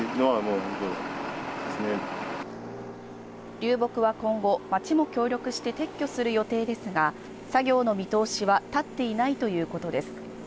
流木は今後、町も協力して撤去する予定ですが、作業の見通しは立っていないということです。